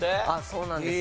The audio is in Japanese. そうなんです。